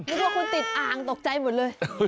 นึกว่าคุณติดอ่างตกใจหมดเลย